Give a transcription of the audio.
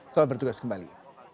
selamat bertugas kembali